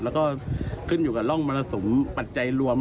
แล้วก็ขึ้นอยู่กับร่องมรสุมปัจจัยรวม